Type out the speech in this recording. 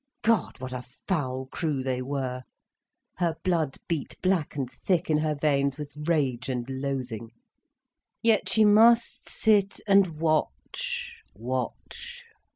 God, what a foul crew they were! Her blood beat black and thick in her veins with rage and loathing. Yet she must sit and watch, watch.